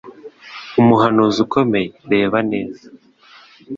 Umuhanuzi ukomeye! Reba neza!